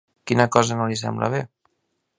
Quina cosa no li sembla bé?